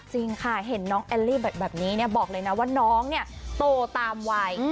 จริงค่ะเห็นน้องแอลลี่แบบนี้บอกเลยนะว่าน้องเนี่ยโตตามวัย